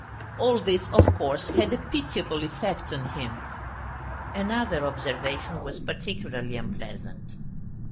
All this, of course, had a pitiable effect on him. Another observation was particularly unpleasant.